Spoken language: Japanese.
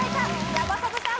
山里さん